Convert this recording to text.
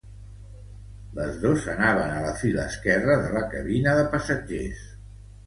Les dos anaven a la fila esquerra de la cabina de passatgers.